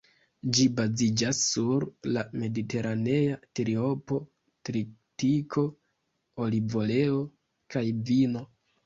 Ĝi baziĝas sur la ""mediteranea triopo"": tritiko, olivoleo kaj vino.